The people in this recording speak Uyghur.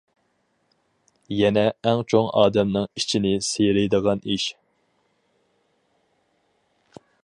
يەنە ئەڭ چوڭ ئادەمنىڭ ئىچىنى سىيرىيدىغان ئىش.